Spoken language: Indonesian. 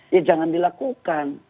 ya jangan dilakukan